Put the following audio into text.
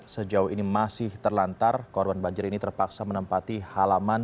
sejauh ini masih terlantar korban banjir ini terpaksa menempati halaman